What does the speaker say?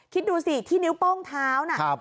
คิดดูสิที่นิ้วโป้งเท้าน่ะ